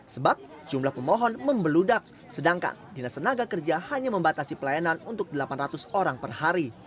sebab jumlah pemohon membeludak sedangkan dinas tenaga kerja hanya membatasi pelayanan untuk delapan ratus orang per hari